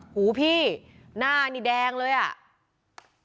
คือรถสีเทาคันนี้จอดเสียอยู่พอดี